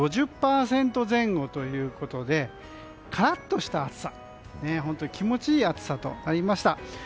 ５０％前後ということでカラッとした暑さ気持ちいい暑さとなりました。